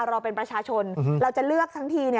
เราเป็นประชาชนเราจะเลือกทั้งที